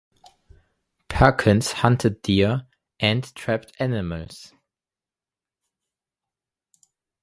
Perkins hunted deer and trapped animals.